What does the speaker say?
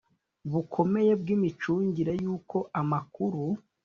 Bukomeye bw imicungire y uko amakuru